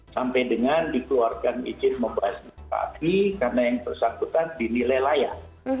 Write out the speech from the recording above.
sampai dengan dikeluarkan izin membahas kaki karena yang bersangkutan dinilai layak